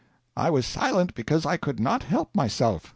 I was silent because I could not help myself.